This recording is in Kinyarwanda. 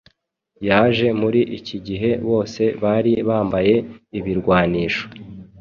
Yaje muri iki gihe bose bari bambaye ibirwanisho